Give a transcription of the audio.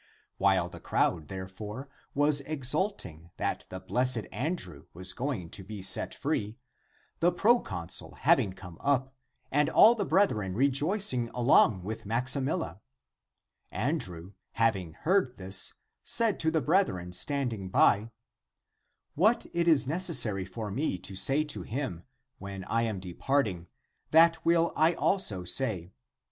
While the crowd, therefore, was exulting that the blessed An drew was going to be set free, the proconsul having come up, and all the brethren rejoicing along with Maximilla, Andrew, having heard this, said to the brethren standing by, " What it is necessary for me to say to him, when I am departing, that will I also say.